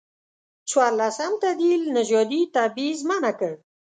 څورلسم تعدیل نژادي تبعیض منع کړ.